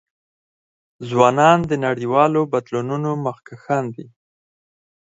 ځوانان د نړیوالو بدلونونو مخکښان دي.